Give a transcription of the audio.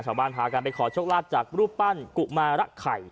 ชาวบ้านทาไปขอชกลาดจากรูปปั้นกุมารรักไข่